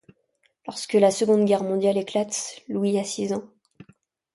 Lorsque la Seconde Guerre mondiale éclate, Louis a six ans.